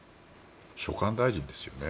所管大臣ですよね。